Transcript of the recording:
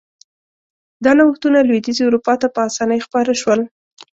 دا نوښتونه لوېدیځې اروپا ته په اسانۍ خپاره شول.